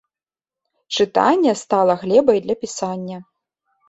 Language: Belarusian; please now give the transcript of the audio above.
Чытанне стала глебай для пісання.